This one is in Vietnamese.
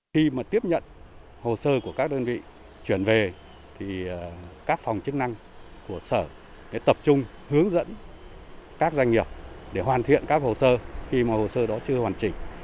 khi mà tiếp nhận hồ sơ của các đơn vị chuyển về thì các phòng chức năng của sở để tập trung hướng dẫn các doanh nghiệp để hoàn thiện các hồ sơ khi mà hồ sơ đó chưa hoàn chỉnh